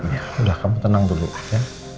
sudah kamu tenang dulu ya